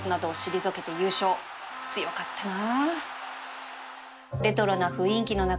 強かったな